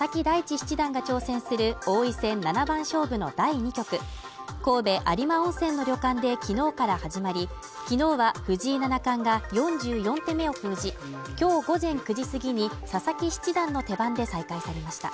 七段が挑戦する王位戦７番勝負の第２局神戸・有馬温泉の旅館で昨日から始まり、昨日は藤井七冠が４４手目を封じ、今日午前９時すぎに佐々木七段の手番で再開されました。